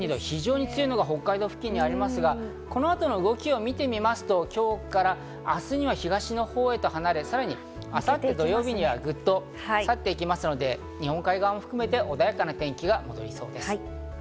非常に強いのが北海道付近にありますが、この後の動きを見てみますと今日から明日には東のほうへ離れ、さらに明後日、土曜日には去っていきますので日本海側も含めて穏やかな天気が戻りそうです。